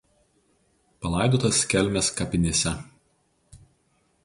Palaidotas Kelmės kapinėse.